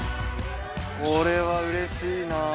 これはうれしいなあ。